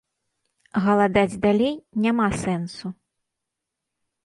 Галадаць далей няма сэнсу.